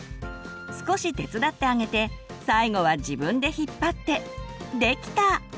少し手伝ってあげて最後は自分で引っ張ってできた！